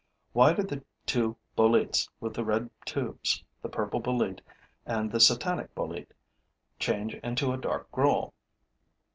Why do the two boletes with the red tubes, the purple bolete and the satanic bolete, change into a dark gruel?